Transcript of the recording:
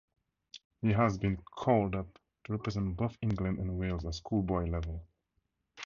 He has been called up to represent both England and Wales at schoolboy level.